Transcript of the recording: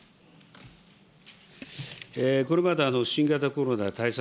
これまで新型コロナ対策